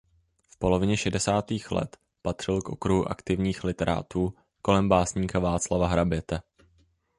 V polovině šedesátých let patřil k okruhu aktivních literátů kolem básníka Václava Hraběte.